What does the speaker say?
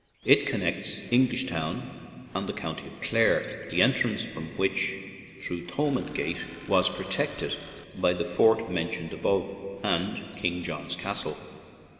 It con nects English Town with the County Clare, the entrance from which, through Tho mond Gate, was protected by the fort men tioned above and King John's Castle.